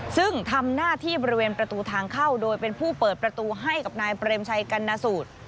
ซึ่งทำหน้าที่บริเวณประตูทางเข้าโดยเป็นผู้เปิดประตูให้กับนายเปรมชัยกัณสูตร